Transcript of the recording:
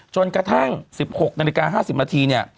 จนกระทั่ง๑๖นาฬิกา๕๐นาทีเนี่ย